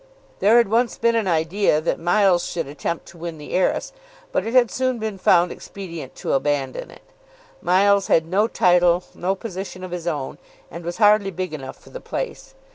There had once been an idea that Miles should attempt to win the heiress, but it had soon been found expedient to abandon it. Miles had no title, no position of his own, and was hardly big enough for the place.